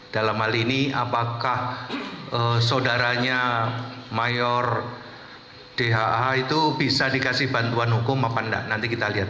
dalam hal ini apakah saudaranya mayor dha itu bisa dikasih bantuan hukum apa enggak nanti kita lihat